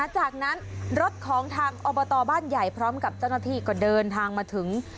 จากนั้นรถของทางอบตบ้านใหญ่พร้อมกับเจ้าหน้าที่ก็เดินทางมาถึง